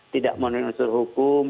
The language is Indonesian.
tidak menunjukan unsur hukum